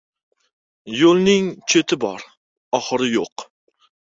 • Yo‘lning cheti bor, oxiri yo‘q.